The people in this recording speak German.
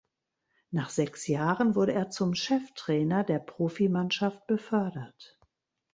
Nach sechs Jahren wurde er zum Cheftrainer der Profimannschaft befördert.